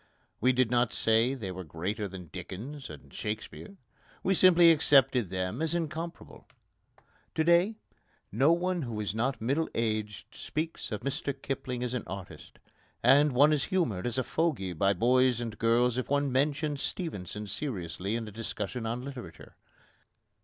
We did not say they were greater than Dickens and Shakespeare. We simply accepted them as incomparable. To day, no one who is not middle aged speaks of Mr Kipling as an artist, and one is humoured as a fogey by boys and girls if one mentions Stevenson seriously in a discussion on literature.